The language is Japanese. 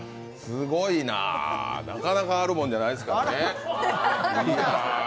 すごいな、なかなかあるもんじゃないですからね。